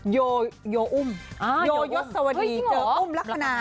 โยยดสวดีเจออุ้มลักษณะ